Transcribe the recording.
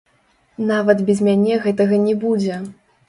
Нават без мяне гэтага не будзе.